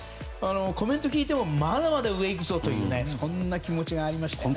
コメント聞いてもまだまだ上行くぞというそんな気持ちがありましたよね。